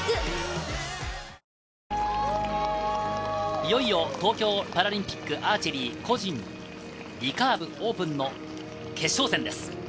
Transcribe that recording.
いよいよ東京パラリンピック・アーチェリー個人リカーブオープンの決勝戦です。